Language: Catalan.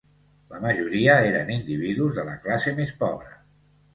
La majoria eren individus de la classe més pobra